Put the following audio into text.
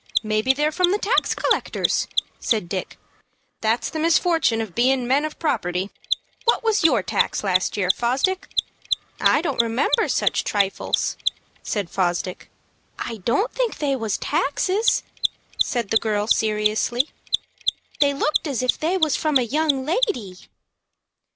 "Maybe they're from the tax collectors," said Dick. "That's the misfortun' of being men of property. What was your tax last year, Fosdick?" "I don't remember such trifles," said Fosdick. "I don't think they was taxes," said the girl, seriously; "they looked as if they was from a young lady."